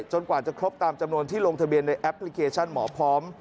กว่าจะครบตามจำนวนที่ลงทะเบียนในแอปพลิเคชันหมอพร้อม